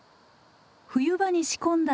冬場に仕込んだ